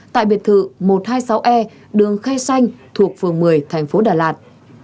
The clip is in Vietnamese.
tại biệt thự một trăm hai mươi sáu e đường khe xanh thuộc phường một mươi thành phố đà lạt